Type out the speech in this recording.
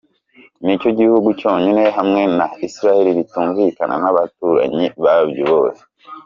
Nicyo gihugu cyonyine hamwe na Israel bitumvikana n’abaturanyi babyo bose